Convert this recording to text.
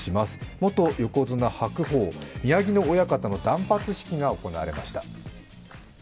元横綱・白鵬、宮城野親方の断髪式が行われました。